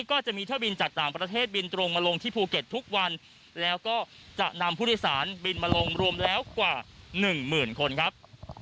ก็จะมีเที่ยวบินจากต่างประเทศบินตรงมาลงที่ภูเก็ตทุกวันแล้วก็จะนำผู้โดยสารบินมาลงรวมแล้วกว่าหนึ่งหมื่นคนครับ